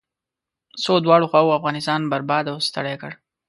څو دواړو خواوو افغانستان برباد او ستړی کړ.